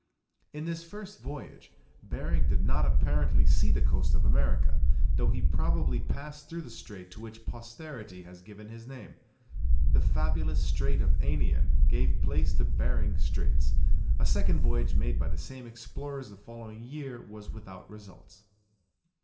In this first voyage Behring did not apparently see the coast of America, though he probably passed through the strait to which posterity has given his name. The fabulous strait of Anian gave place to Behring Straits. A second voyage made by the same explorers the following year was without results.